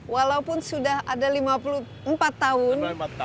walaupun sudah ada lima puluh empat tahun